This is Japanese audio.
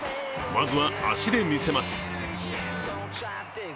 まずは足で見せます。